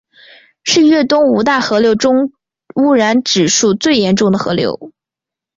是粤东五大河流中污染指数最严重的河流。